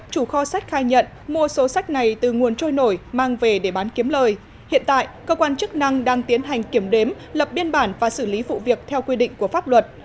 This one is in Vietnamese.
chủ kho sách khai nhận mua số sách này từ nguồn trôi nổi mang về để bán kiếm lời hiện tại cơ quan chức năng đang tiến hành kiểm đếm lập biên bản và xử lý vụ việc theo quy định của pháp luật